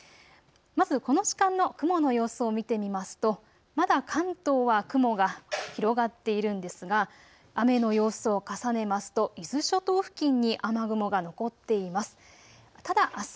まずこの時間の雲の様子を見てみますと、まだ関東は雲が広がっているんですが雨の様子を重ねますと伊豆諸島付近に雨雲が残っています。